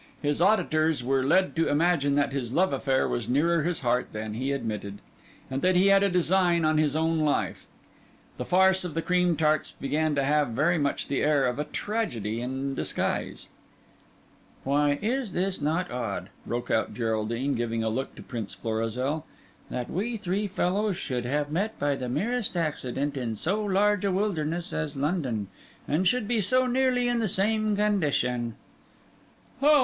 His auditors were led to imagine that his love affair was nearer his heart than he admitted, and that he had a design on his own life. The farce of the cream tarts began to have very much the air of a tragedy in disguise. "Why, is this not odd," broke out Geraldine, giving a look to Prince Florizel, "that we three fellows should have met by the merest accident in so large a wilderness as London, and should be so nearly in the same condition?" "How?"